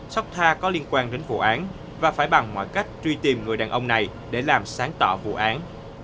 sóc tha có liên quan đến vụ án và phải bằng mọi cách truy tìm người đàn ông này để làm sáng tỏ vụ án